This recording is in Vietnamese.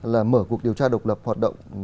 là mở cuộc điều tra độc lập hoạt động